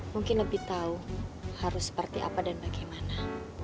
mungkin lebih tahu harus seperti apa dan bagaimana